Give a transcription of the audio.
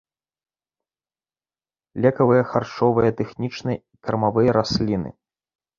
Лекавыя, харчовыя, тэхнічныя і кармавыя расліны.